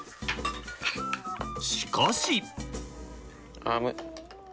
しかし。